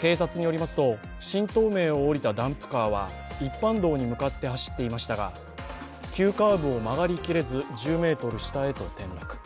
警察によりますと、新東名を降りたダンプカーは一般道に向かって走っていましたが、急カーブを曲がりきれず、１０ｍ下へと転落。